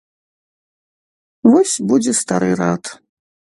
Вось будзе стары рад.